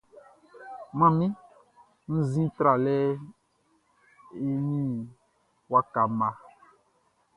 Manmi wunnzin tralɛ eni waka mma.